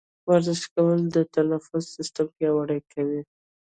ورزش کول د تنفس سیستم پیاوړی کوي.